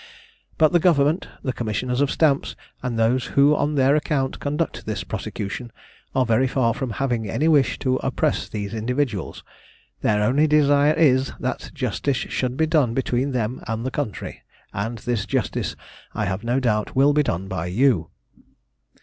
But the Government, the Commissioners of Stamps, and those who on their account conduct this prosecution, are very far from having any wish to oppress these individuals; their only desire is, that justice should be done between them and the country, and this justice I have no doubt will be done by you.